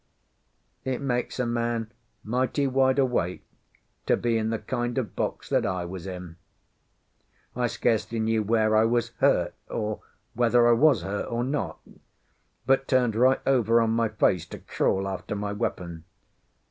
It makes a man mighty wide awake to be in the kind of box that I was in. I scarcely knew where I was hurt, or whether I was hurt or not, but turned right over on my face to crawl after my weapon.